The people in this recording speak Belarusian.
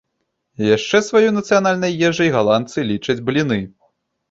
Яшчэ сваёй нацыянальнай ежай галандцы лічаць бліны.